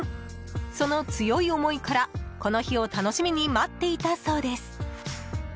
その強い思いからこの日を楽しみに待っていたそうです。